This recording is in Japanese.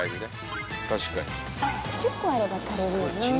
１０個あれば足りるよね。